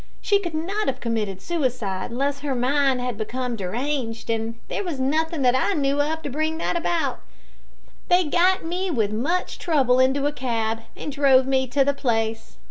She could not have committed suicide unless her mind had become deranged, and there was nothing that I knew of to bring about that. They got me with much trouble into a cab, and drove me to the place.